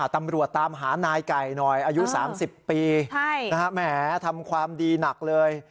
ตำรวจตามหานายไก่หน่อยอายุ๓๐ปีแหมทำความดีหนักเลย